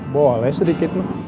boleh sedikit mak